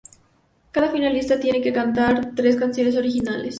Cada finalista tenía que cantar tres canciones originales.